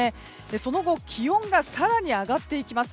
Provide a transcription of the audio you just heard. その後、気温が更に上がっていきます。